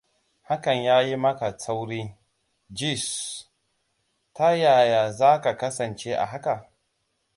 Hakan ya yi maka tsauri, Geez. Ta yaya za ka kasance a haka?